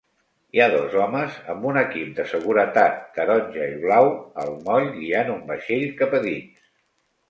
Hi ha dos homes amb un equip de seguretat taronja i blau al moll guiant un vaixell cap a dins.